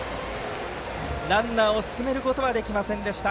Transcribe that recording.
ランナーを進めることはできませんでした。